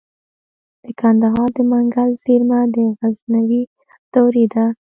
د کندهار د منگل زیرمه د غزنوي دورې ده